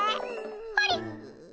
あれ？